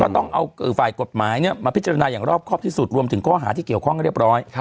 ต้องเอาฝ่ายกฎหมายมาพิจารณาอย่างรอบครอบที่สุดรวมถึงข้อหาที่เกี่ยวข้องเรียบร้อย